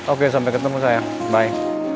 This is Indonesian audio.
oke sampai ketemu sayang bye